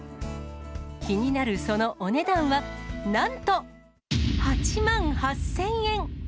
気になるそのお値段はなんと８万８０００円。